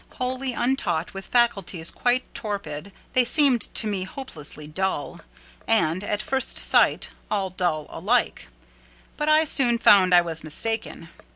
Wholly untaught, with faculties quite torpid, they seemed to me hopelessly dull; and, at first sight, all dull alike: but I soon found I was mistaken.